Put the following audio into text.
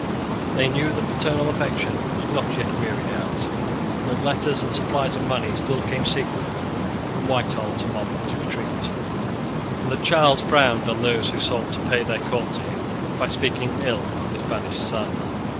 They knew that paternal affection was not yet wearied out, that letters and supplies of money still came secretly from Whitehall to Monmouth's retreat, and that Charles frowned on those who sought to pay their court to him by speaking ill of his banished son.